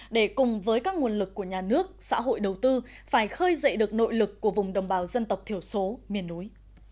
để cùng với các nguồn lực của nhà nước xã hội đầu tư phải khơi dậy được nội lực của vùng đồng bào dân tộc thiểu số miền núi